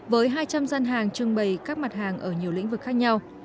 với hai trăm linh gian hàng trưng bày các mặt hàng ở nhiều lĩnh vực khác nhau